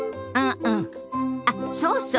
あっそうそう。